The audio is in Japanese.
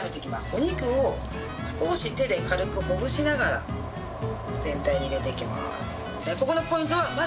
お肉を少し手で軽くほぐしながら全体に入れていきます。